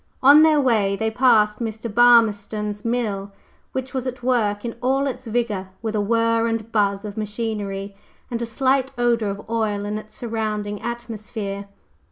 On their way they passed Mr. Burmistone's mill, which was at work in all its vigor, with a whir and buzz of machinery, and a slight odor of oil in its surrounding atmosphere.